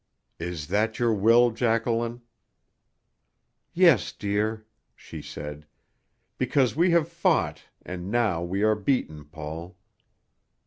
"Is that your will, Jacqueline?" "Yes, dear," she said. "Because we have fought and now we are beaten, Paul."